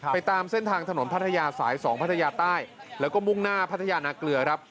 ตามเส้นทางถนนพัทยาสาย๒พัทยาใต้แล้วก็มุ่งหน้าพัทยานาเกลือครับ